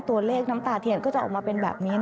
ตัวเลขน้ำตาเถียนก็จะออกมาเป็นแบบนี้นะคะ